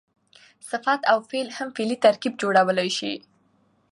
صفت او فعل هم فعلي ترکیب جوړولای سي.